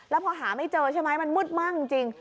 แล้วพอหาไม่เจอใช่ไหมมันมืดมากจริง